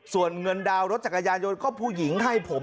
ส่วนเงินดาวน์รถจักรยานยนต์ก็ผู้หญิงให้ผม